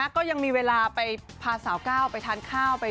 ก็ยังมีเวลาไปพาสาวก้าวไปทานข้าว